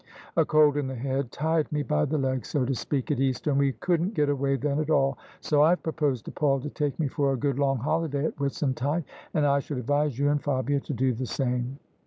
A cold in the head tied me by the leg, so to speak, at Easter, and we couldn't get away then at all ; so I've pro posed to Paul to take me for a good long holiday at Whit suntide, and I should advise you and Fabia to do the same."